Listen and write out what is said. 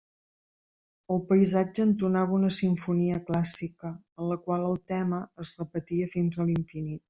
El paisatge entonava una simfonia clàssica, en la qual el tema es repetia fins a l'infinit.